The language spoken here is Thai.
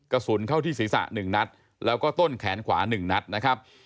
กระสุนเข้าที่ศีรษะ๑นัดแล้วก็ต้นแขนขวา๑นัดนะครับ